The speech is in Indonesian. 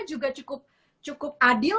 juga cukup adil